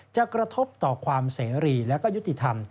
กระทบต่อความเสรีและก็ยุติธรรม